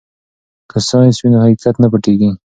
که ساینس وي نو حقیقت نه پټیږي.